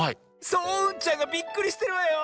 そううんちゃんがびっくりしてるわよ。